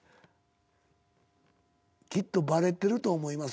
「きっとバレてると思います」